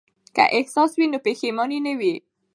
که احسان وي نو پښیماني نه وي.